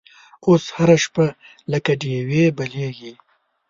اوس هره شپه لکه ډیوې بلیږې